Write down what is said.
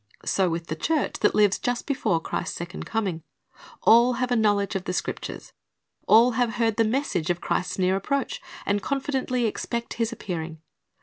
So with the church that lives just before Christ's second coming. All have a knowledge of the Scriptures. All have heard the message of Christ's near approach, and confidently expect His appearing.